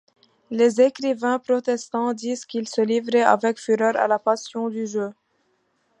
Les écrivains protestants disent qu’il se livrait avec fureur à la passion du jeu.